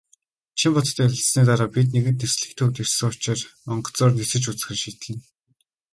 Чинбаттай ярилцсаны дараа бид нэгэнт "Нислэг" төвд ирсэн учир онгоцоор нисэж үзэхээр шийдлээ.